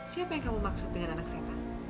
siapa yang kamu maksud dengan anak setan